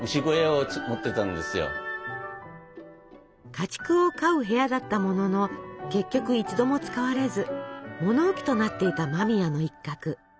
家畜を飼う部屋だったものの結局一度も使われず物置となっていた間宮の一角。